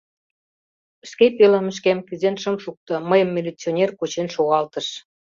Шке пӧлемышкем кӱзен шым шукто, мыйым милиционер кучен шогалтыш.